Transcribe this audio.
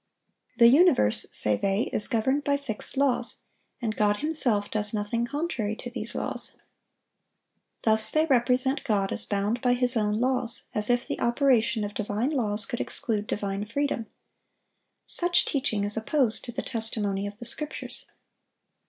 The universe, say they, is governed by fixed laws, and God Himself does nothing contrary to these laws. Thus they represent God as bound by His own laws—as if the operation of divine laws could exclude divine freedom. Such teaching is opposed to the testimony of the Scriptures.